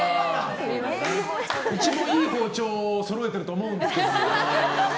一番いい包丁をそろえていると思うんですけどね。